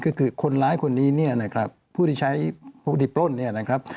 ก็คือคนร้ายคนนี้เนี่ยนะครับผู้ที่ใช้พวกที่ปล้นเนี่ยนะครับ